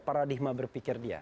paradigma berpikir dia